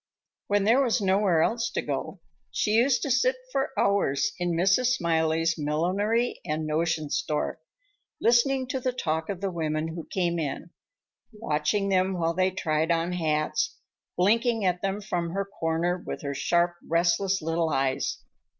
When there was nowhere else to go, she used to sit for hours in Mrs. Smiley's millinery and notion store, listening to the talk of the women who came in, watching them while they tried on hats, blinking at them from her corner with her sharp, restless little eyes.